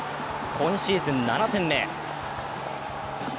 今シーズン７点目。